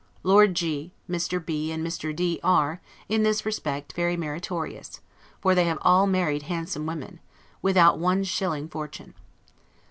Lord G , Mr. B , and Mr. D , are, in this respect, very meritorious; for they have all married handsome women, without one shilling fortune.